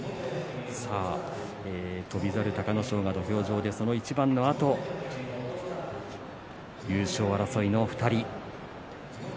翔猿、隆の勝が土俵上で、その一番のあと優勝争いの２人。